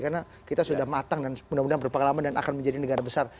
karena kita sudah matang dan mudah mudahan berpengalaman dan akan menjadi negara besar